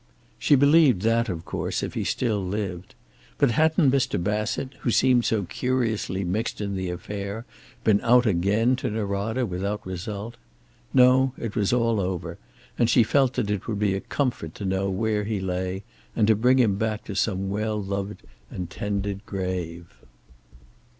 She believed that, of course, if he still lived. But hadn't Mr. Bassett, who seemed so curiously mixed in the affair, been out again to Norada without result? No, it was all over, and she felt that it would be a comfort to know where he lay, and to bring him back to some well loved and tended grave.